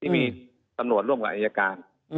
ที่มีส่วนกับอายการ